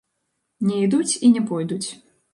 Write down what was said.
Не ідуць і не пойдуць.